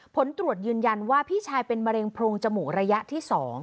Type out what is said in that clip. ผลตรวจยืนยันว่าพี่ชายเป็นมะเร็งโพรงจมูกระยะที่๒